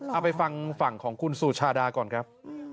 เอาไปฟังฝั่งของคุณสุชาดาก่อนครับ